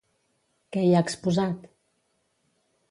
Què hi ha exposat?